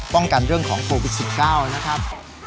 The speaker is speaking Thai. เรื่องของโควิด๑๙นะครับ